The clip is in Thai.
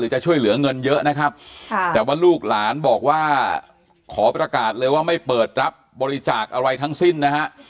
จะช่วยเหลือเงินเยอะนะครับแต่ว่าลูกหลานบอกว่าขอประกาศเลยว่าไม่เปิดรับบริจาคอะไรทั้งสิ้นนะฮะ